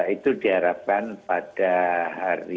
itu diharapkan pada hari